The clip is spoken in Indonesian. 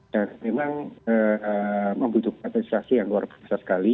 dan memang membutuhkan administrasi yang luar biasa sekali